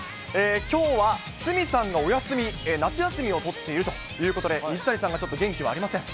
きょうは鷲見さんがお休み、夏休みを取っているということで、水谷さんがちょっと元気がありません。